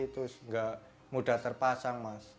terus gak mudah terpasang mas